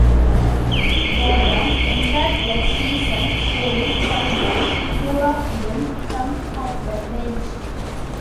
Gordon ended the season scoring five goals, four of them from off the bench.